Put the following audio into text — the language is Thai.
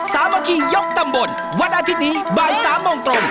สามัคคียกตำบลวันอาทิตย์นี้บ่าย๓โมงตรง